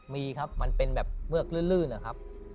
มีครับมันเป็นแบบเือกลื่นนะครับ